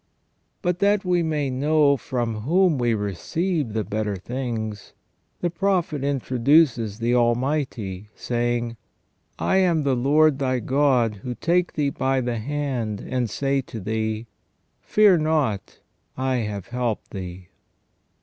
But that we may know from whom we receive the better things, the prophet introduces the Almighty, saying :" I am the Lord thy God, who take thee by the hand, and say to thee : Fear not, I have helped thee